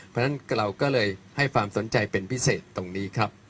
เพราะฉะนั้นเราก็เลยให้ความสนใจเป็นพิเศษตรงนี้ครับ